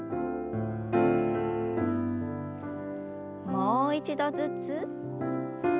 もう一度ずつ。